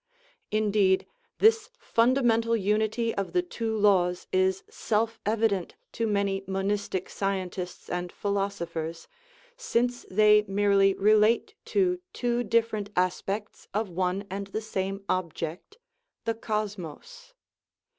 Indeed, this fundamental unity of the two laws is self evident to many monistic scientists and philosophers, since they merely relate to two different aspects of one and the same object, the cosmos.